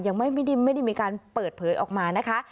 ยังไม่ได้มีการเปิดเผยออกมานะคะ